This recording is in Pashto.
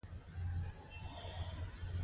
موږ اوس د پانګې دقیق تعریف وړاندې کولی شو